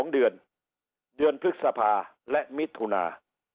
๒เดือนเดือนพฤษภาและมิถุนา